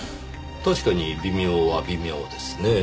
確かに微妙は微妙ですねぇ。